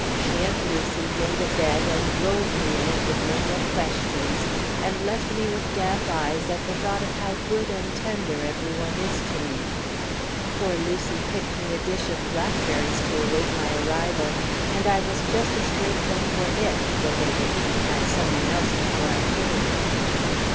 She and Lucy made a bed and rolled me in it with no more questions, and left me with damp eyes at the thought of how good and tender every one is to me. Poor Lucy picked me a dish of blackberries to await my arrival, and I was just as grateful for it, though they were eaten by some one else before I came.